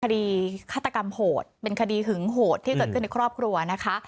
คดีฆาตกรรมโหดเป็นคดีหึงโหดที่เกิดขึ้นในครอบครัวนะคะ